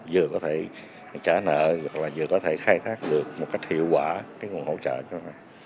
vừa có thể trả nợ vừa có thể khai thác được một cách hiệu quả cái nguồn khẩu trợ cho nước